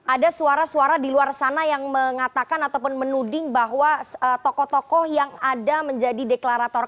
ada suara suara di luar sana yang mengatakan ataupun menuding bahwa tokoh tokoh yang ada menjadi deklarator